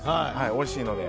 おいしいので。